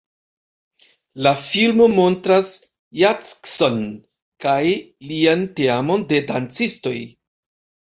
La filmo montras Jackson kaj lian teamon de dancistoj.